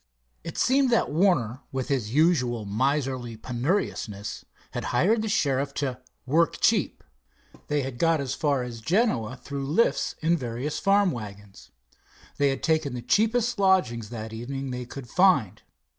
It seemed that Warner, with his usual miserly penuriousness had hired the sheriff to "work cheap." They had got as far as Genoa through "lifts" in various farm wagons. They had taken the cheapest lodgings that evening they could find.